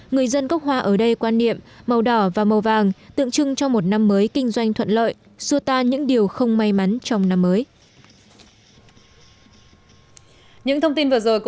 người dân gốc hoa ở đây quan niệm màu đỏ và màu vàng tượng trưng cho một năm mới kinh doanh thuận lợi xua ta những điều không may mắn trong năm mới